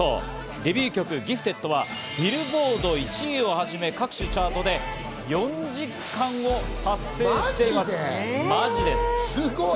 デビュー曲『Ｇｉｆｔｅｄ．』はビルボード１位をはじめ、各種チャートで４０冠を達成したんです。